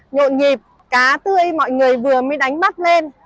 nhuộn nhịp cá tươi mọi người vừa mới đánh mắt lên